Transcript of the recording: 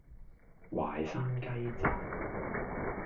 淮山雞扎